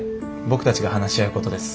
僕たちが話し合うことです。